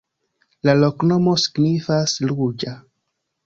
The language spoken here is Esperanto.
La loknomo signifas: ruĝa.